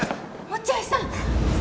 落合さん！